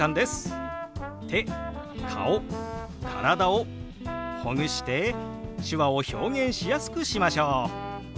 手顔体をほぐして手話を表現しやすくしましょう！